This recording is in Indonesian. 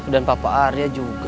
dan papa arya juga